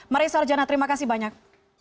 maria sarjana terima kasih banyak